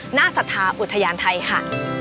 หน้าสถาอุทยานไทยค่ะ